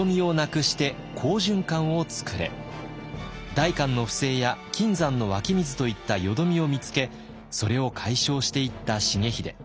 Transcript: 代官の不正や金山の湧き水といった淀みを見つけそれを解消していった重秀。